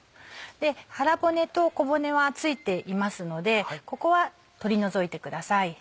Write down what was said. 腹骨と小骨は付いていますのでここは取り除いてください。